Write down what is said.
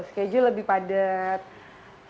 schedule lebih pada tahun